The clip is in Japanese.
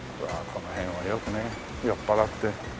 この辺はよくね酔っ払って。